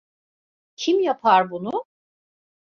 Kim yapar bunu?